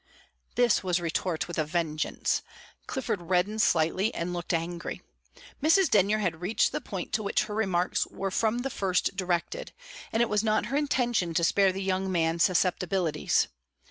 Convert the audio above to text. This was retort with a vengeance. Clifford reddened slightly, and looked angry. Mrs. Denyer had reached the point to which her remarks were from the first directed, and it was not her intention to spare the young man's susceptibilities.